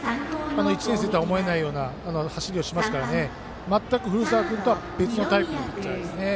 １年生とは思えないような走りをしてますから全く古澤君とは別のタイプですね。